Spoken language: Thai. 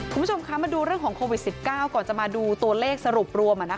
คุณผู้ชมคะมาดูเรื่องของโควิด๑๙ก่อนจะมาดูตัวเลขสรุปรวม